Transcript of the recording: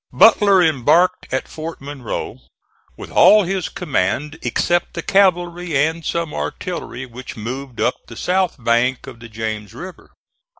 Butler embarked at Fort Monroe with all his command, except the cavalry and some artillery which moved up the south bank of the James River.